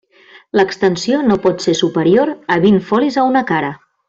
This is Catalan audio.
L'extensió no pot ser superior a vint folis a una cara.